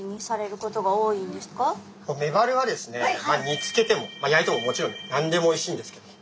煮つけても焼いてももちろん何でもおいしいんですけども。